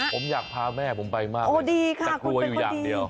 ผมอยากพาแม่ผมไปมากเลยโอ้ดีค่ะคุณเป็นคนดีแต่กลัวอยู่อย่างเดียว